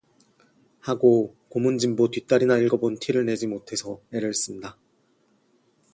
하고『고문진보』뒷다리나 읽어 본 티를 내지 못해서 애를 쓴다.